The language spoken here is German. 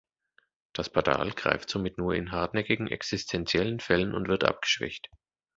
Das Badal greift somit nur in hartnäckigen, existentiellen Fällen und wird abgeschwächt.